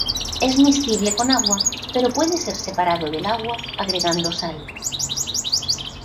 Es miscible con agua, pero puede ser separado del agua agregando sal.